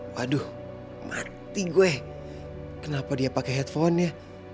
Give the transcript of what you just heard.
waduh mati gue kenapa dia pakai headphone ya